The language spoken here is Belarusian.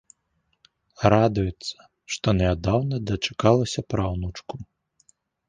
Радуецца, што нядаўна дачакалася праўнучку.